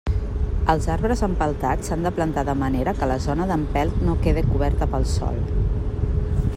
Els arbres empeltats s'han de plantar de manera que la zona d'empelt no quede coberta pel sòl.